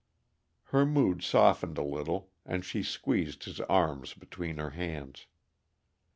Her mood softened a little, and she squeezed his arm between her hands.